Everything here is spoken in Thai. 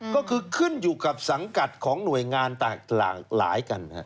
ก็คือขึ้นอยู่กับสังกัดของหน่วยงานหลายกัน